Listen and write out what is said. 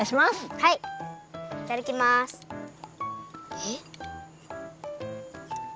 えっ？